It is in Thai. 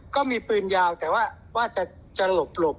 ก็มีปืนยาวแต่ว่าว่าจะหลบ